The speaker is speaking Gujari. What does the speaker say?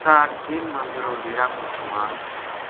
کاہڈھ کیل ما جہڑو ڈیرا کو سامان